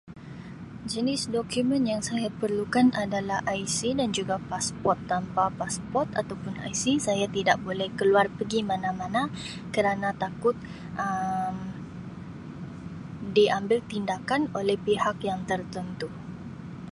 Jenis dokumen yang saya perlukan adalah IC dan juga pasport, tanpa pasport atau pun IC saya tidak boleh ke luar pegi mana-mana kerana takut Um diambil tindakan oleh pihak yang tertentu.